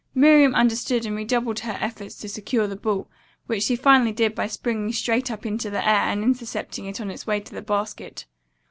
Miriam understood and redoubled her efforts to secure the ball, which she finally did by springing straight up into the air and intercepting it on its way to the basket.